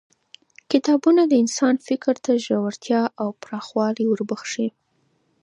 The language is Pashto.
کتابونه د انسان فکر ته ژورتیا او پراخوالی وربخښي